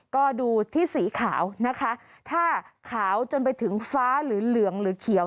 ก็ดูที่สีขาวนะคะถ้าขาวจนไปถึงฟ้าหรือเหลืองหรือเขียว